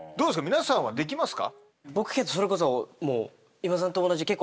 皆さんはできますか？